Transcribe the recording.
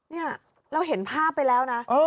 นี่เราเห็นภาพไปแล้วนะ